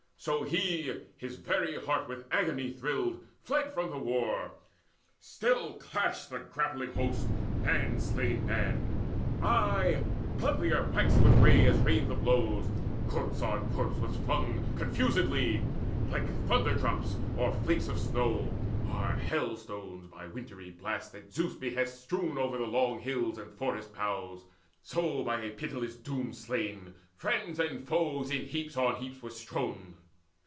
So he, his very heart with agony thrilled, Fled from the war. Still clashed the grappling hosts, Man slaying man: aye bloodier waxed the fray As rained the blows: corpse upon corpse was flung Confusedly, like thunder drops, or flakes Of snow, or hailstones, by the wintry blast At Zeus' behest strewn over the long hills And forest boughs; so by a pitiless doom Slain, friends with foes in heaps on heaps were strown.